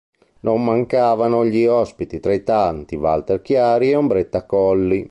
Non mancavano gli ospiti: tra i tanti, Walter Chiari e Ombretta Colli.